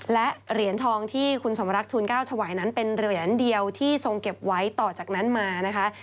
และเหรียญทองที่คุณสมรักทูล๙ถวายนั้นเป็นเหรียญเดียวที่ทรงเก็บไว้ต่อจากนั้นมานะคะ